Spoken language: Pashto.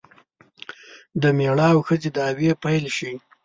د میړه او ښځې دعوې پیل شي.